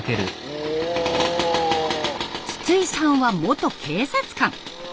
筒井さんは元警察官。